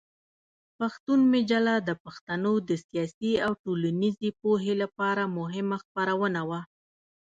پښتون مجله د پښتنو د سیاسي او ټولنیزې پوهې لپاره مهمه خپرونه وه.